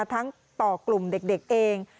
ทั้งต่อกลุ่มเด็กเอง